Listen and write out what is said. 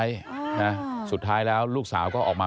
ไอ้แม่ได้เอาแม่ได้เอาแม่